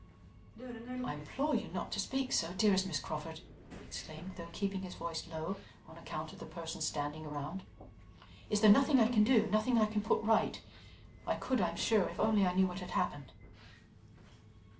"I implore you not to speak so, dearest Miss Crawford," he exclaimed, though keeping his voice low on account of the persons standing round. "Is there nothing I can do, nothing I can put right? I could, I am sure, if only I knew what had happened."